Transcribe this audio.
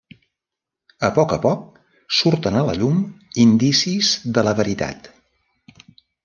A poc a poc, surten a la llum indicis de la veritat.